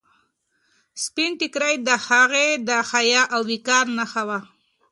سپین ټیکری د هغې د حیا او وقار نښه وه.